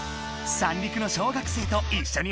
三陸の小学生と一緒に走るぞ！